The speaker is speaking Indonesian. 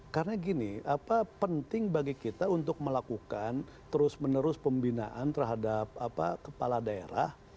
karena gini apa penting bagi kita untuk melakukan terus menerus pembinaan terhadap kepala daerah